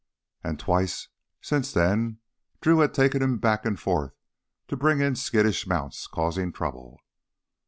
And twice since then Drew had taken him back and forth to bring in skittish mounts causing trouble.